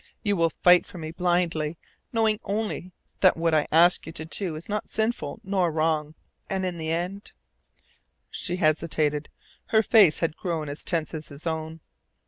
You will fight for me, blindly, knowing only that what I ask you to do is not sinful nor wrong. And in the end " She hesitated. Her face had grown as tense as his own.